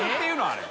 あれ。